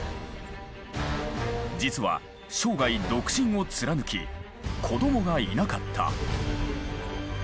実は生涯独身を貫き子供がいなかった。